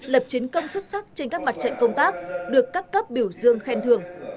lập chiến công xuất sắc trên các mặt trận công tác được các cấp biểu dương khen thường